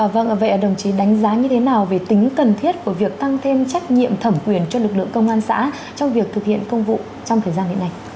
vâng vậy đồng chí đánh giá như thế nào về tính cần thiết của việc tăng thêm trách nhiệm thẩm quyền cho lực lượng công an xã trong việc thực hiện công vụ trong thời gian hiện nay